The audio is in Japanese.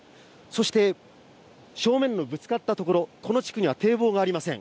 そして、正面のぶつかったところ、この地区には堤防がありません。